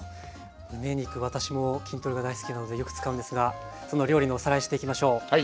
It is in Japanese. むね肉私も筋トレが大好きなのでよく使うんですがその料理のおさらいしていきましょう。